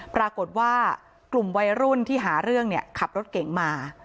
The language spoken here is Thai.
ปรากฏว่ากลุ่มวัยรุ่นที่หาเรื่องเนี่ยขับรถเก๋งมา